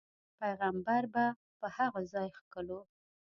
پیغمبر به په هغه ځاې ښکلو.